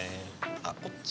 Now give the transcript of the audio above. あっこっちは？